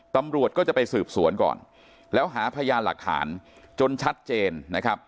ตำรวจก็จะไปสืบสวนก่อนแล้วหาพยานหลักฐานจนชัดเจนนะครับ